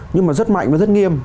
nhưng mà rất mạnh và rất nghiêm